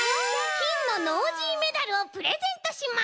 きんのノージーメダルをプレゼントします！